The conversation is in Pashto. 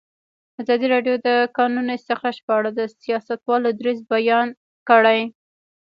ازادي راډیو د د کانونو استخراج په اړه د سیاستوالو دریځ بیان کړی.